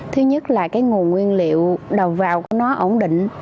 thứ nhất là cái nguồn nguyên liệu đầu vào của nó ổn định